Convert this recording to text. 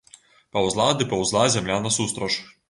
Паўзла ды паўзла зямля насустрач.